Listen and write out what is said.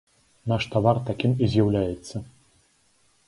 Наш тавар такім і з'яўляецца.